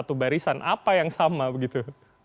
satu barisan apa yang sama begitu